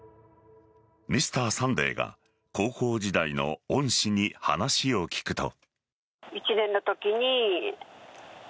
「Ｍｒ．サンデー」が高校時代の恩師に話を聞くと。